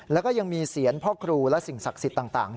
แล้วก็ยังมีเสียงพ่อครูและสิ่งศักดิ์สิทธิ์ต่าง